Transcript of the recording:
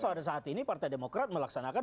ada saat ini partai demokrat melaksanakan